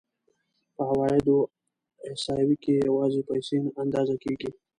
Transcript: په عوایدو احصایو کې یوازې پیسې اندازه کېږي